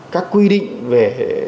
các quy định về